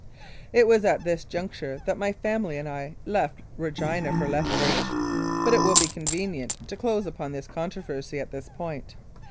It was at this juncture that my family and I left Regina for Lethbridge, but it will be convenient to close up this controversy at this point.